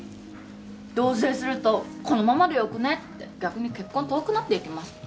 同棲すると「このままでよくね？」って逆に結婚遠くなっていきます